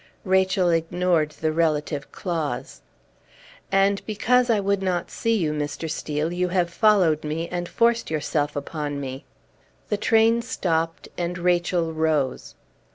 Rachel ignored the relative clause. "And because I would not see you, Mr. Steel, you have followed me, and forced yourself upon me!" The train stopped, and Rachel rose.